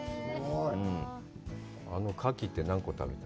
あのカキって何個食べた？